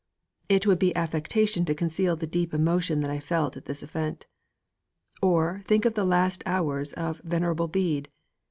It would be affectation to conceal the deep emotion that I felt at this event.' Or think of the last hours of Venerable Bede.